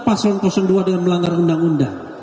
paslon dua dengan melanggar undang undang